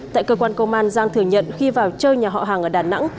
tại cơ quan công an giang thừa nhận khi vào chơi nhà họ hàng ở đà nẵng